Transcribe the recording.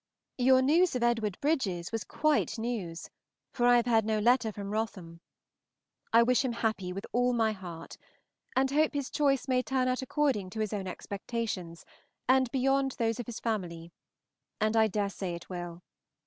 Your news of Edward Bridges was quite news, for I have had no letter from Wrotham. I wish him happy with all my heart, and hope his choice may turn out according to his own expectations, and beyond those of his family; and I dare say it will.